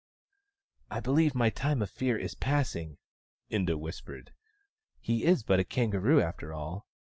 " I believe my time of fear is passing," Inda whispered. "He is but a kangaroo, after all."